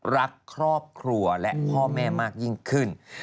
รักครอบครัวและพ่อแม่มากยิ่งขึ้น